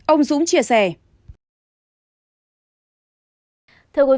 ông dũng chia sẻ